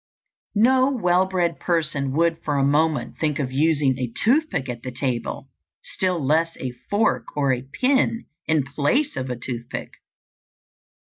No well bred person would for a moment think of using a toothpick at the table, still less a fork or a pin in place of a toothpick.